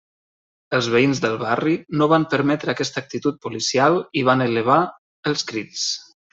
Els veïns del barri no van permetre aquesta actitud policial i van elevar els crits.